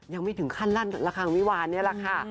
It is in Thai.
ยังไม่ถึงขั้นลั่นระคังวิวาลนี่แหละค่ะ